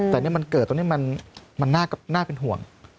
แต่นี่มันเกิดตรงนี้มันน่าเป็นห่วง